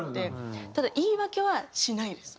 ただ言い訳はしないです。